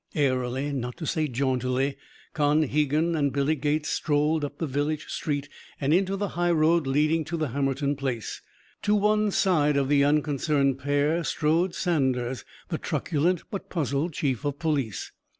Airily, not to say jauntily, Con Hegan and Billy Gates strolled up the village street and into the highroad leading to the Hammerton place. To one side of the unconcerned pair strode Saunders, the truculent but puzzled chief of police.